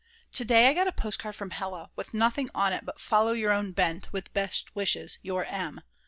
To day I got a postcard from Hella, with nothing on it but "Follow your own bent, with best wishes, your M."